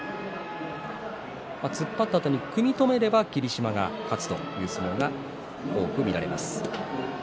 突っ張ったあとに組み止めれば霧島が勝つという相撲が多く見られます。